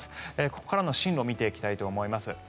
ここからの進路を見ていきたいと思います。